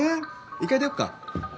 １回出よっか。